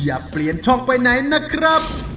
อย่าเปลี่ยนช่องไปไหนนะครับ